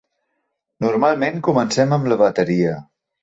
"Normalment comencem amb la bateria."